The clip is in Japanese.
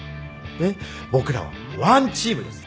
僕らはワンチームです。